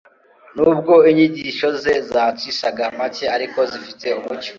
nubwo inyigisho ze zacishaga make ariko zifite umucyo.